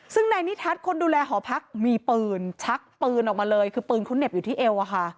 ซึ่งนายนิทัศน์คนดูแลหอพักมีปืนชักปืนออกมาเลยคือปืนเขาเหน็บอยู่ที่เอวอะค่ะ